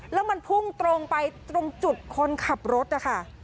แล้วมันพุ่งตรงไปตรงจุดคนขับรถนะคะ